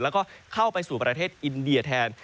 แล้วก็เข้าไปสู่ประเทศอินเดียแทน